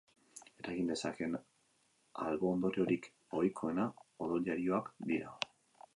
Eragin dezakeen albo-ondoriorik ohikoena odoljarioak dira.